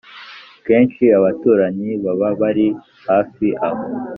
Kenshi abaturanyi baba bari hafi aho